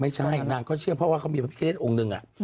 ไม่ใช่นางเขาเชื่อเพราะว่าเขามีพระพิกเกณฑ์องค์นึง